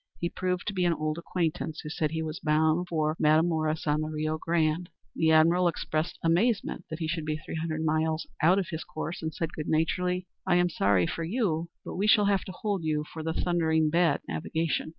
He proved to be an old acquaintance, who said he was bound for Matamoras on the Rio Grande! The admiral expressed amazement that he should be three hundred miles out of his course, and said good naturedly, "I am sorry for you; but we shall have to hold you for your thundering bad navigation!"